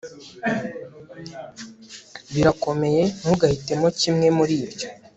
Birakomeye ntugahitemo kimwe muri byo